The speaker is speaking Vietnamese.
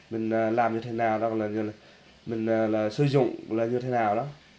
mình làm như thế nào đó là mình sử dụng là như thế nào đó